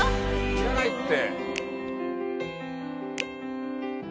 いらないって！